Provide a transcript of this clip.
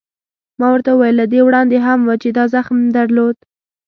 ما ورته وویل: له دې وړاندې هم و، چې دا زخم در درلود؟